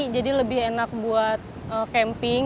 jadi lebih enak buat camping